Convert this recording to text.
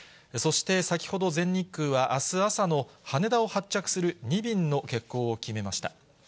そして、先ほど全日空は、あす朝の羽田を発着する２便の欠航を決めました。